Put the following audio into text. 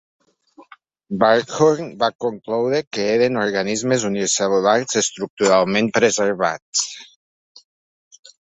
Barghoorn va concloure que eren organismes unicel·lulars estructuralment preservats.